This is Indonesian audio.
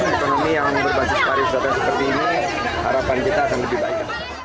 ekonomi yang berbasis pariwisata seperti ini harapan kita akan lebih baik